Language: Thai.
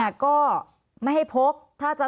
มันเป็นอาหารของพระราชา